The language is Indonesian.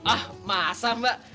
ah masa mbak